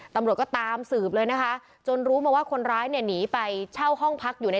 ตำรวจก็ตามสืบเลยนะคะจนรู้มาว่าคนร้ายเนี่ยหนีไปเช่าห้องพักอยู่ใน